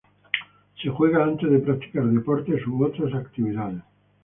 Se juega antes de practicar deportes u otras actividades.